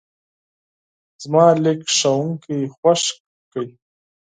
زما لیک ښوونکی خوښ کړ.